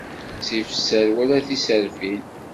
Ttif sser wala tiserfin.